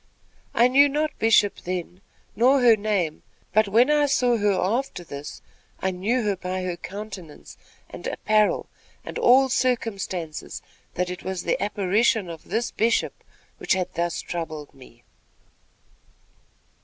I knew not Bishop then, nor her name; but when I saw her after this, I knew her by her countenance and apparel and all circumstances, that it was the apparition of this Bishop, which had thus troubled me."